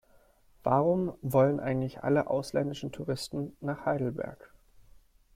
Warum wollen eigentlich alle ausländischen Touristen nach Heidelberg?